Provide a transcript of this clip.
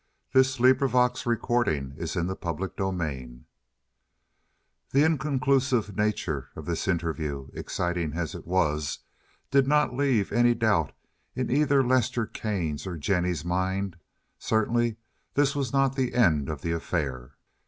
That was the worst of all. CHAPTER XIX The inconclusive nature of this interview, exciting as it was, did not leave any doubt in either Lester Kane's or Jennie's mind; certainly this was not the end of the affair.